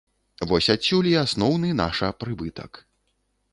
Вось адсюль і асноўны наша прыбытак.